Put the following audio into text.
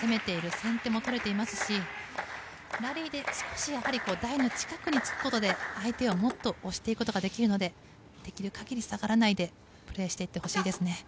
先手も取れていますしラリーで少し台の近くにつくことで相手をもっと押していくことができるのでできる限り下がらないでプレーしていってほしいですね。